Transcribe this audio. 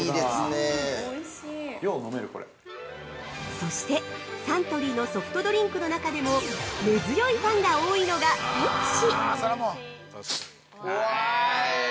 ◆そして、サントリーのソフトドリンクの中でも根強いファンが多いのがペプシ。